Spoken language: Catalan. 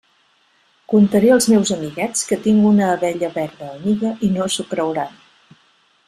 Contaré als meus amiguets que tinc una abella verda amiga i no s'ho creuran.